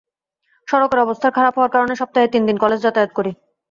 সড়কের অবস্থার খারাপ হওয়ার কারণে সপ্তাহে তিন দিন কলেজে যাতায়াত করি।